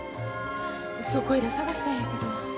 そこいら捜したんやけど。